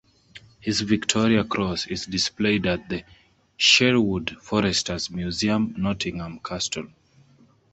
His Victoria Cross is displayed at the Sherwood Foresters Museum, Nottingham Castle.